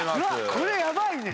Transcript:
これやばいね。